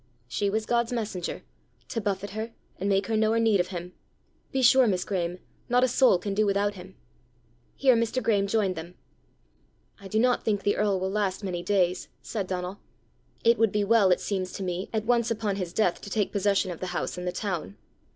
"She was God's messenger to buffet her, and make her know her need of him. Be sure, Miss Graeme, not a soul can do without him." Here Mr. Graeme joined them. "I do not think the earl will last many days," said Donal. "It would be well, it seems to me, at once upon his death to take possession of the house in the town.